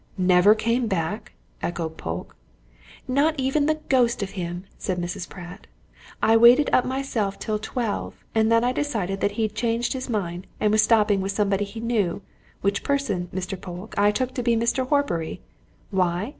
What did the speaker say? "Never came back!" echoed Polke. "Not even the ghost of him!" said Mrs. Pratt. "I waited up myself till twelve, and then I decided that he'd changed his mind and was stopping with somebody he knew, which person, Mr. Polke, I took to be Mr. Horbury. Why?